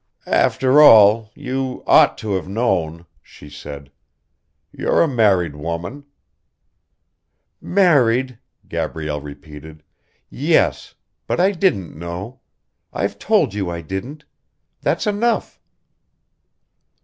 "After all, you ought to have known," she said. "You're a married woman." "Married ..." Gabrielle repeated. "Yes ... but I didn't know. I've told you I didn't. That's enough."